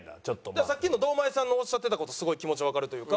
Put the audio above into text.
だからさっきの堂前さんのおっしゃってた事すごい気持ちわかるというか。